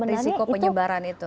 risiko penyebaran itu